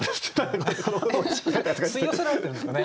吸い寄せられてるんですかね。